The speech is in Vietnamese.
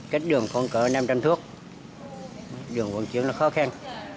cách đường khoảng năm trăm linh thước đường vận chuyển là khó khăn